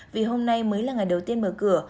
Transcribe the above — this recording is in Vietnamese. vì hôm nay mới là ngày đầu tiên mở cửa